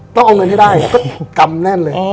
ต้องเอาเงินให้ได้ก็กรรมแน่นเลย